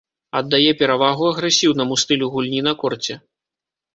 Аддае перавагу агрэсіўнаму стылю гульні на корце.